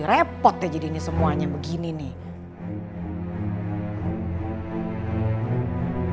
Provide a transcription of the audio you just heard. repot ya jadinya semuanya begini nih